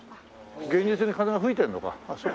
現実に風が吹いてるのか。